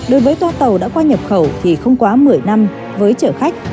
đối với toa tàu đã qua nhập khẩu thì không quá một mươi năm với chở khách